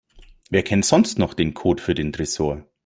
Wer kennt sonst noch den Code für den Tresor?